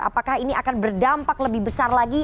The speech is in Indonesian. apakah ini akan berdampak lebih besar lagi